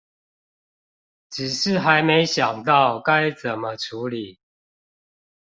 只是還沒想到該怎麼處理